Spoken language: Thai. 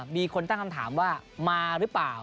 มีคนตั้งคำถามว่ามาหรือเปล่า